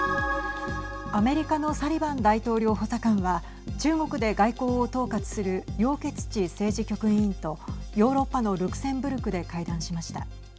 アメリカのサリバン大統領補佐官は中国で外交を統括する楊潔チ政治局委員とヨーロッパのルクセンブルクで会談しました。